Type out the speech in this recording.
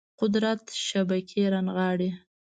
قدرت شبکې رانغاړي